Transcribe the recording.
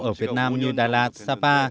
ở việt nam như đài lạt sapa